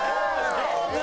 上手！